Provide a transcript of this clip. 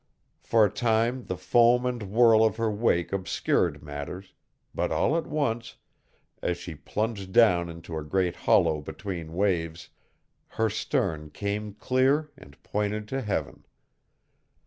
For a time the foam and whirl of her wake obscured matters, but all at once, as she plunged down into a great hollow between waves, her stern came clear and pointed to heaven.